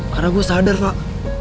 karena gue sadar fak